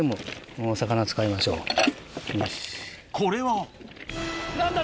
これは何だ！